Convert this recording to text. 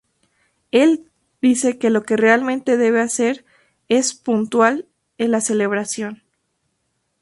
Él dice que lo que realmente debe hacer es "puntal" en la celebración.